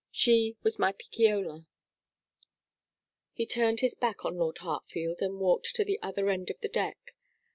She was my Picciola.' He turned his back on Lord Hartfield and walked to the other end of the deck.